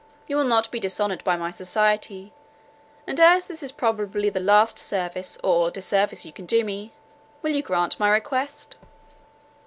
You will not be dishonoured by my society, and as this is probably the last service, or disservice you can do me, will you grant my request?"